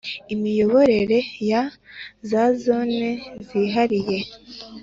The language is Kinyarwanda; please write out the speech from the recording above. Imiyoborere ya za zone zihariye